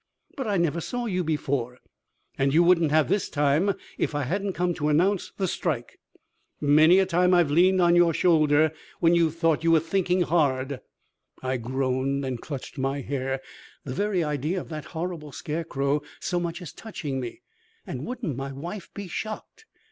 "But I never saw you before " "And you wouldn't have this time if I hadn't come to announce the strike. Many a time I've leaned on your shoulder when you've thought you were thinking hard " I groaned, and clutched my hair. The very idea of that horrible scarecrow so much as touching me! and wouldn't my wife be shocked!